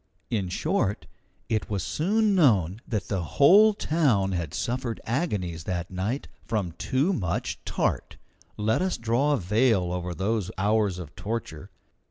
In short, it was soon known that the whole town had suffered agonies that night from too much tart. Let us draw a veil over those hours of torture.